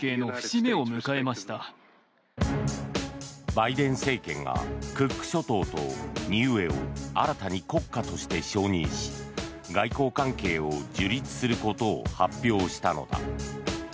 バイデン政権がクック諸島とニウエを新たに国家として承認し外交関係を樹立することを発表したのだ。